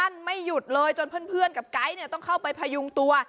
ไม่หยุดเลยจนเพื่อนกับไก๊เนี่ยต้องเข้าไปพยุงตัว